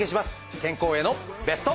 健康へのベスト。